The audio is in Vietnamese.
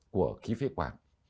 của khí phế khoảng